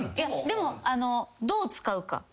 でもどう使うか。